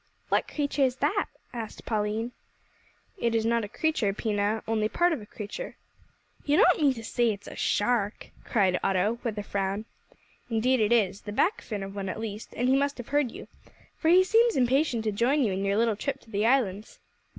"What creature is that?" asked Pauline. "It is not a creature, Pina, only part of a creature." "You don't mean to say it's a shark!" cried Otto, with a frown. "Indeed it is the back fin of one at least and he must have heard you, for he seems impatient to join you in your little trip to the islands."